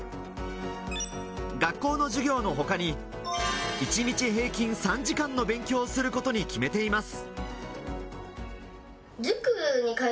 学校の授業のほかに一日平均３時間の勉強をすることに決めています。